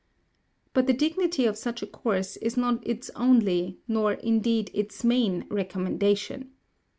But the dignity of such a course is not its only, nor, indeed, its main, recommendation.